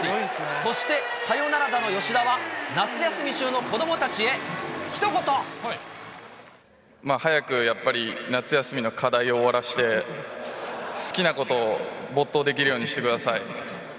そしてサヨナラ打の吉田は、まあ早くやっぱり、夏休みの課題を終わらせて、好きなこと、没頭できるようにしてください。